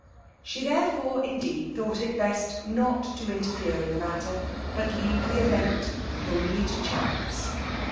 She therefore indeed thought it best not to interfere in the matter, but leave the event wholly to chance.